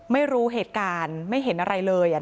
ไม่รู้เหตุการณ์ไม่เห็นอะไรเลยอ่ะ